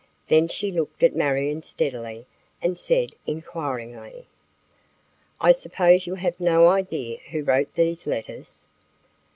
Then she looked at Marion steadily and said inquiringly: "I suppose you have no idea who wrote these letters?"